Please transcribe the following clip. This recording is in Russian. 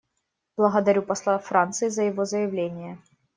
Благодарю посла Франции за его заявление.